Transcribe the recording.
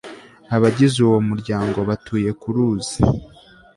Abagize uwo muryango batuye ku ruzi